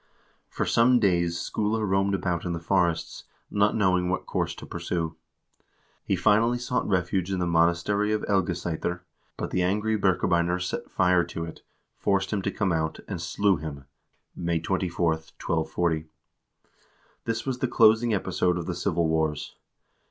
For some days Skule roamed about in the forests, not knowing what course to pursue. He finally sought refuge in the monastery of Elgesaeter, but the angry Birkebeiner set fire to it, forced him to come out, and slew him, May 24, 1240. This was the closing episode of the civil wars.